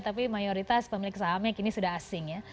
tapi mayoritas pemilik sahamnya kini sudah asing ya